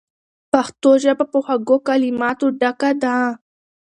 پښتو ژبه په خوږو کلماتو ډکه ده.